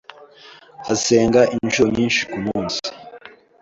Asenga inshuro nyinshi kumunsi.